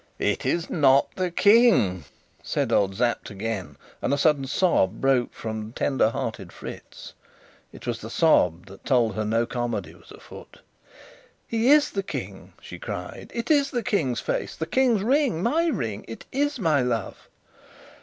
"It is not the King," said old Sapt again; and a sudden sob broke from tender hearted Fritz. It was the sob that told her no comedy was afoot. "He is the King!" she cried. "It is the King's face the King's ring my ring! It is my love!"